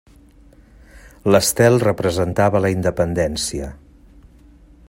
L'estel representava la independència.